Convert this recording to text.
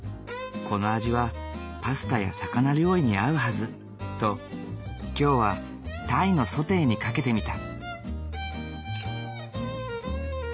この味はパスタや魚料理に合うはずと今日は鯛のソテーにかけてみた。